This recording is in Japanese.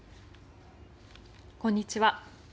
こんにちは。